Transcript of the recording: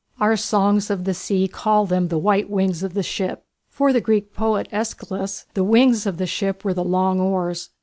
Our songs of the sea call them the "white wings" of the ship. For the Greek poet Æschylus, the wings of the ship were the long oars.